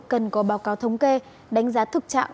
cần có báo cáo thống kê đánh giá thực trạng